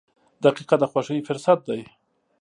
• دقیقه د خوښۍ فرصت ده.